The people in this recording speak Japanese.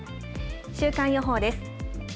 週間予報です。